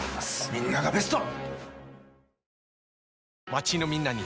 みんながベスト！